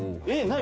何？